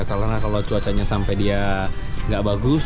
karena kalau cuacanya sampai dia gak bagus